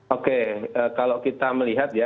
oke kalau kita melihat ya